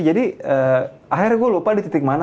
jadi akhirnya gue lupa di titik mana